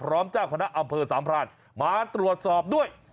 พร้อมเจ้าคณะอำเภอสามภาทมาตรวจสอบด้วย